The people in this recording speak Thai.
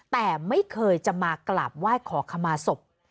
แต่ไม่เคยจะมากราบไหว้ขอขมาศพ